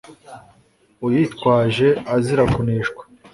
uyitwaje azira kuneshwa